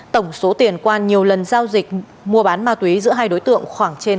tổng số tiền qua nhiều lần giao dịch mua bán ma túy giữa hai đối tượng khoảng trên hai trăm linh triệu đồng